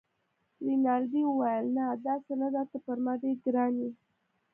رینالډي وویل: نه، داسې نه ده، ته پر ما ډېر ګران يې.